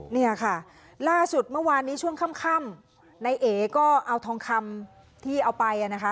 เนี่ยค่ะล่าสุดเมื่อวานนี้ช่วงค่ำนายเอ๋ก็เอาทองคำที่เอาไปอ่ะนะคะ